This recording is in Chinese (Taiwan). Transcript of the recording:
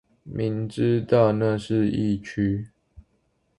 明知道那是疫區